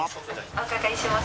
お伺いします。